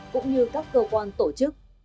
cũng như các cơ quan tổ chức